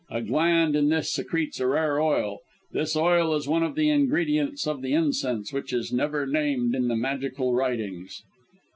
A gland in this secretes a rare oil. This oil is one of the ingredients of the incense which is never named in the magical writings."